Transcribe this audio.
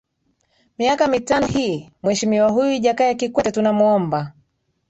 miaka mitano hii mhesimiwa huyu jakaya kikwete tunamwomba